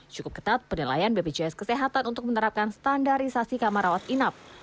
cukup ketat penilaian bpjs kesehatan untuk menerapkan standarisasi kamar rawat inap